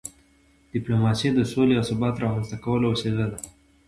ډیپلوماسي د سولې او ثبات د رامنځته کولو وسیله ده.